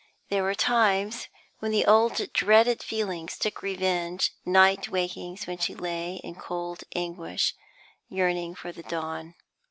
There were times when the old dreaded feelings took revenge; night wakings, when she lay in cold anguish, yearning for the dawn.